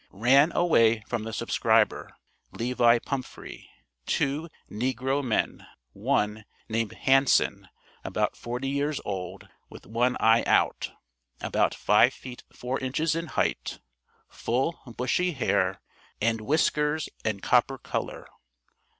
Ran away from the subscriber, (Levi Pumphrey,) two NEGRO MEN one, named "Hanson," about forty years old, with one eye out, about 5 feet 4 inches in height, full, bushy hair and whiskers and copper color.